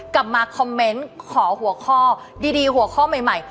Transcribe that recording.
กลับมาคอมเมนต์ขอหัวข้อดีหัวข้อใหม่